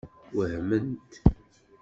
Wehment.